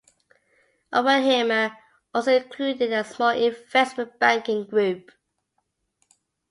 Oppenheimer also included a small investment banking group.